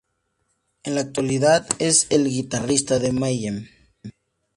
En la actualidad es el guitarrista de Mayhem.